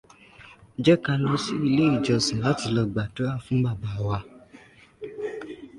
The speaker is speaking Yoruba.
Jẹ́ ká lọ sí ilé ìjọ́sìn láti lọ gbàdúrà fún bàbá wa.